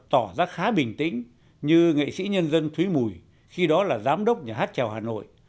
tỏ ra khá bình tĩnh như nghệ sĩ nhân dân thúy mùi khi đó là giám đốc nhà hát trèo hà nội